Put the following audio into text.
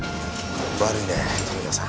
悪いね富生さん。